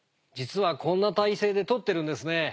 実はこんな体勢で撮ってるんですね。